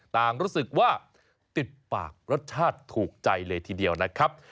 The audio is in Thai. รู้สึกว่าติดปากรสชาติถูกใจเลยทีเดียวนะครับ